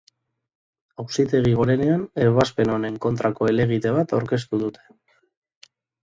Auzitegi Gorenean ebazpen honen kontrako helegite bat aurkeztu dute.